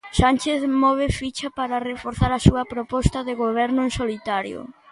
Sánchez move ficha para reforzar a súa proposta de goberno en solitario.